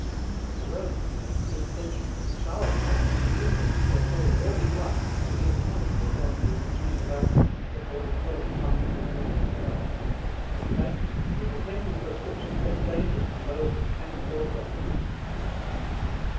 "It was learned in the sixteenth century that a child might be immune to heat or cold all his life if his hands were rubbed with juice of absinth before the twelfth month of his life had passed. That, you see, is a tempting prescription, less dangerous than those which Canon Docre abuses."